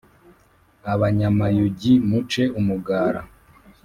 abanyamayugi muce umugara